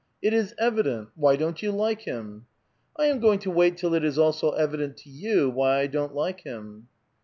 " It is evident. Why don't you like him? " "I am going to wait till it is also evident to you why I don't like him."